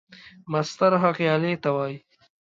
مسطر هغې آلې ته وایي.